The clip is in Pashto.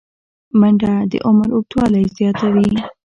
منډه د عمر اوږدوالی زیاتوي